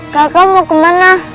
kakak mau kemana